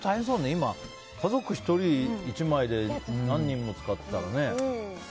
今、家族１枚で何人も使っていたらね。